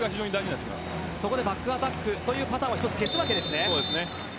バックアタックというパターンを消すわけですね。